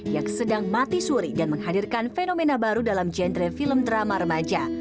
yang sedang mati suri dan menghadirkan fenomena baru dalam genre film drama remaja